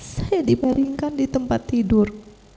saya dibaringkan di tempat tidur